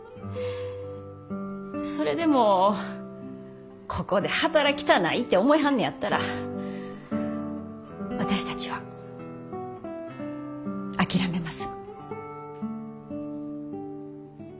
それでもここで働きたないて思いはんねやったら私たちは諦めます。